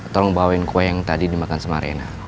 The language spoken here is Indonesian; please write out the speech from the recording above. tolong bawain kue yang tadi dimakan sama rena